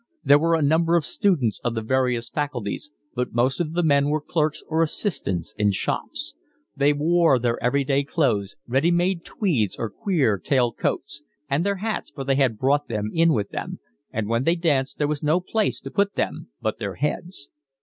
There were a number of students of the various faculties, but most of the men were clerks or assistants in shops; they wore their everyday clothes, ready made tweeds or queer tail coats, and their hats, for they had brought them in with them, and when they danced there was no place to put them but their heads.